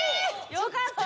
よかった！